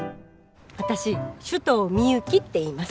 私首藤ミユキっていいます。